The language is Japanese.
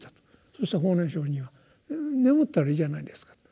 そうしたら法然上人は「眠ったらいいじゃないですか」と。